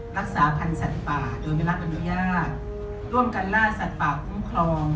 รักษาพันธ์สัตว์ป่าโดยไม่รับอนุญาตร่วมกันล่าสัตว์ป่าคุ้มครอง